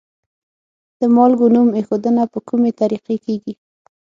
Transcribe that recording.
د مالګو نوم ایښودنه په کومې طریقې کیږي؟